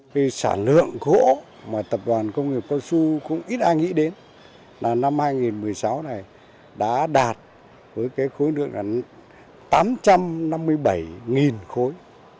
cái sản lượng gỗ mà tập đoàn công nghiệp cao su cũng ít ai nghĩ đến là năm hai nghìn một mươi sáu này đã đạt với cái khối lượng gần tám trăm năm mươi bảy khối